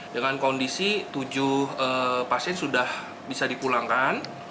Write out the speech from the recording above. dengan kondisi tujuh pasien sudah bisa dipulangkan